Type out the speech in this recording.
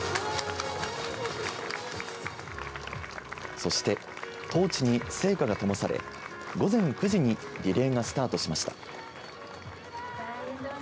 そして、トーチに聖火がともされ午前９時にリレーがスタートしました。